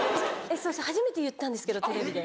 初めて言ったんですけどテレビで。